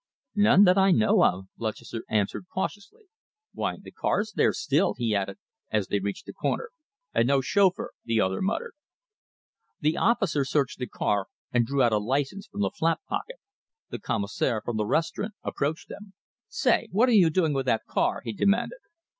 "None that I know of," Lutchester answered cautiously. "Why, the car's there still," he added, as they reached the corner. "And no chauffeur," the other muttered. The officer searched the car and drew out a license from the flap pocket. The commissionaire from the restaurant approached them. "Say, what are you doing with that car?" he demanded.